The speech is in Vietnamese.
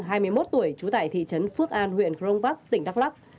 nguyễn văn sang hai mươi một tuổi chú tại thị trấn phước an huyện cronvac tỉnh đắk lắk